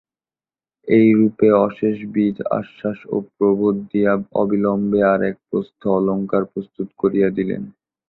এই রূপে অশেষবিধ আশ্বাস ও প্রবোধ দিয়া অবিলম্বে আর একপ্রস্থ অলঙ্কার প্রস্তুত করিয়া দিলেন।